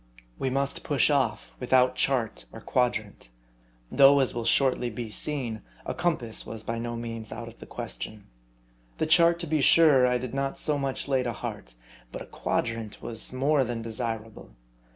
We must push off without chart or quadrant ; though, as will shortly be seen, a compass was by no means out of the question. The chart, to be sure, I did not so much lay to heart ; but a quadrant was more than desirable.